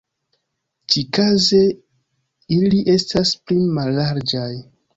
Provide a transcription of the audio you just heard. Ĉikaze, ili estas pli mallarĝaj.